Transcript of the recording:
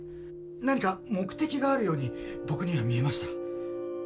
何か目的があるように僕には見えました。